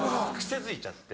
癖づいちゃって。